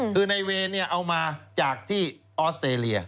คือในเวรเอามาจากที่ออสเตรเลีย